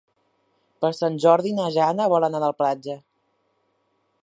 Per Sant Jordi na Jana vol anar a la platja.